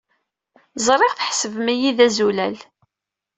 Ẓriɣ tḥesbem-iyi d azulal.